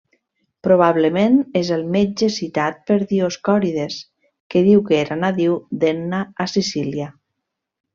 Probablement és el metge citat per Dioscòrides, que diu que era nadiu d'Enna a Sicília.